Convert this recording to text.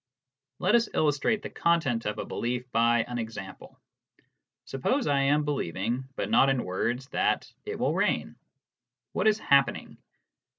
Let us illustrate the content of a belief by an example. Suppose I am believing, but not in words, that " it will rain." What is happening